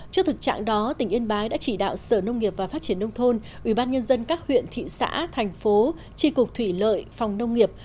trước thực trạng đó tỉnh yên bái đã chỉ đạo sở nông nghiệp và phát triển nông thôn ubnd các huyện thị xã thành phố tri cục thủy lợi phòng nông nghiệp